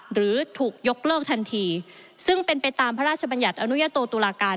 หรือถูกยกเลิกทันทีซึ่งเป็นไปตามพระราชบัญญัติอนุญาโตตุลาการ